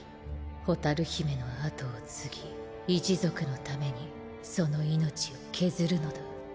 蛍姫の後を継ぎ一族のためにその命を削るのだ。